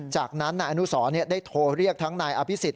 จากนั้นนายอนุสรได้โทรเรียกทั้งนายอภิษฎ